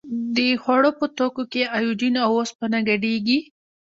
د خوړو په توکو کې ایوډین او اوسپنه ګډیږي؟